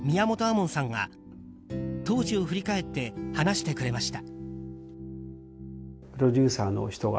門さんは当時を振り返って話してくれました。